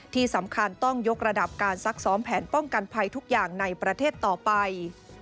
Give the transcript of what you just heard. ที่สำคัญต้องยกระดับการซักซ้อมแผนป้องกันภัยทุกอย่างในประเทศต่อไป